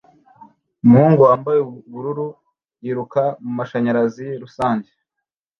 Umuhungu wambaye ubururu yiruka mumashanyarazi rusange